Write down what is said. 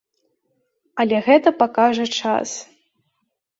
Але гэта пакажа час.